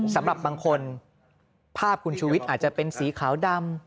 สำหรับบางคนภาพคุณชูวิทย์อาจจะเป็นสีขาวดำ